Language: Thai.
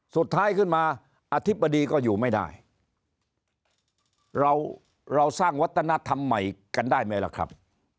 สุดท้ายขึ้นมาอธิบดีก็อยู่ไม่ได้เราเราสร้างวัฒนธรรมใหม่กันได้ไหมล่ะครับ